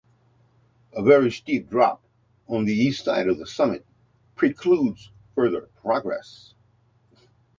A very steep drop on the east side of the summit precludes further progress.